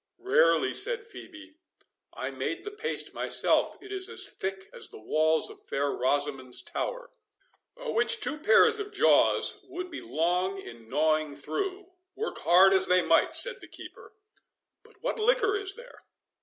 "Rarely," said Phœbe; "I made the paste myself—it is as thick as the walls of Fair Rosamond's Tower." "Which two pairs of jaws would be long in gnawing through, work hard as they might," said the keeper. "But what liquor is there?"